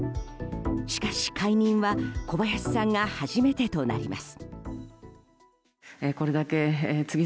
しかし解任は小林さんが初めてとなります。